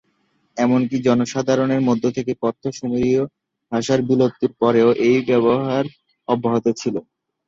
এমনকি জনসাধারণের মধ্য থেকে কথ্য সুমেরীয় ভাষার বিলুপ্তির পরেও এই ব্যবহার অব্যাহত ছিল।